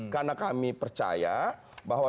karena kami percaya bahwa